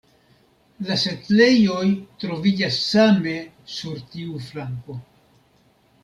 La setlejoj troviĝas same sur tiu flanko.